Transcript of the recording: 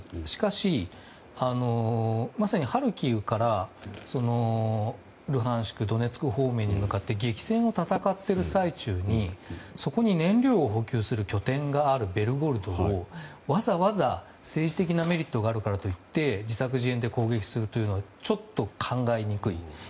しかし、まさにハルキウからルハンシクやドネツク方面に向かって激戦を戦っている最中にそこに燃料を補給する拠点があるベルゴロドをわざわざ政治的なメリットがあるからといって自作自演で攻撃するというのはちょっと考えにくい。